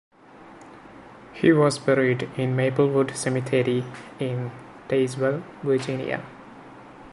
He was buried in Maplewood Cemetery in Tazewell, Virginia.